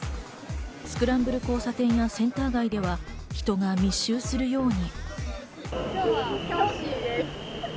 スクランブル交差点やセンター街では人が密集するように。